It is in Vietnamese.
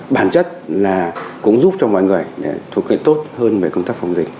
bản chất là cũng giúp cho mọi người thuộc hệ tốt hơn về công tác phòng dịch